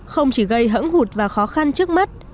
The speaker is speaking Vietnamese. không chỉ gây hẫng hụt và khó khăn trước mắt